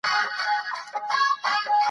د کامرو څخه عکاسي او یا هم عکس اخیستل